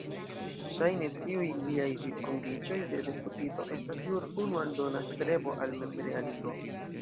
Ŝajne tiuj liaj vivkondiĉoj de deputito estas nur unu aldona strebo al memrealigo.